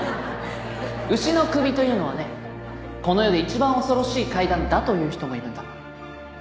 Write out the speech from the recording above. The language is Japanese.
牛の首というのはねこの世で一番恐ろしい怪談だと言う人もいるんだ。